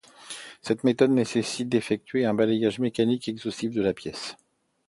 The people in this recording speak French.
Cette méthode nécessite d'effectuer un balayage mécanique exhaustif de la pièce.